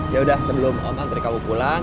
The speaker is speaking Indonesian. yaudah sebelum om anterin kamu pulang